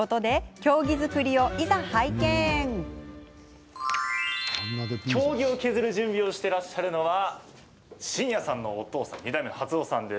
経木を削る準備をしていらっしゃるのは晋也さんのお父さん２代目、初雄さんです。